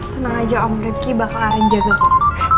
tenang aja om rifki bakal arin jaga kamu